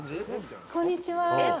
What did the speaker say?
こんにちは。